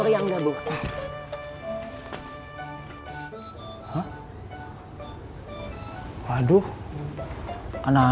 sambil pesan bang